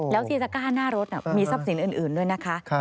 แล้วที่ตะก้าหน้ารถมีทรัพย์สินอื่นด้วยนะคะ